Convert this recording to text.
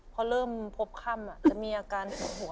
พอเริ่มพบค่ำจะมีอาการปวดหัว